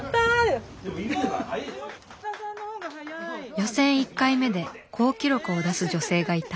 予選１回目で好記録を出す女性がいた。